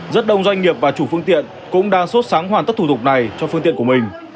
rất đông doanh nghiệp và chủ phương tiện cũng đang sốt sáng hoàn tất thủ tục này cho phương tiện của mình